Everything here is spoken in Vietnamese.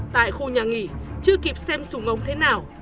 tại khu nhà nghỉ chưa kịp xem sùng ống thế nào